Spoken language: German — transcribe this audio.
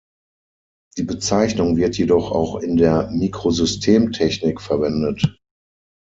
Die Bezeichnung wird jedoch auch in der Mikrosystemtechnik verwendet.